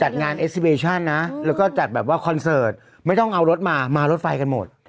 จัดงานเอสซิเวชั่นนะแล้วก็จัดแบบว่าคอนเสิร์ตไม่ต้องเอารถมามารถไฟกันหมด